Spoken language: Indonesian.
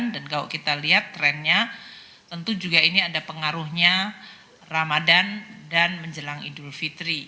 dan kalau kita lihat trendnya tentu juga ini ada pengaruhnya ramadan dan menjelang idul fitri